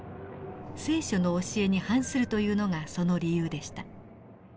「聖書」の教えに反するというのがその理由でした。